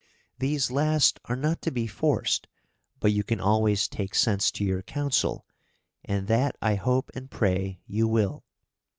These last are not to be forced, but you can always take sense to your counsel, and that I hope and pray you will."